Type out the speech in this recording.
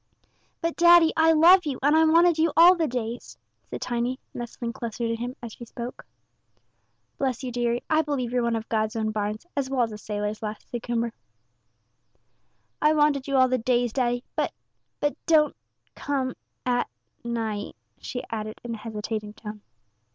"But, daddy, I love you, and I wanted you all the days," said Tiny, nestling closer to him as she spoke. "Bless you, deary, I believe you're one of God's own bairns, as well as a sailor's lass," said Coomber. "I wanted you all the days, daddy; but but don't come at night," she added, in a hesitating tone.